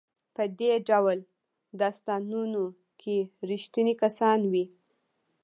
په دې ډول داستانونو کې ریښتوني کسان وي.